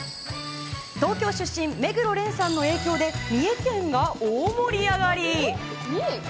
東京出身、目黒蓮さんの影響で、三重県が大盛り上がり。